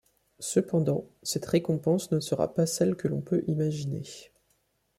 Cependant, cette récompense ne sera pas celle que l'on peut imaginer.